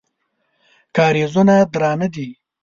کارېزونه درانه دي.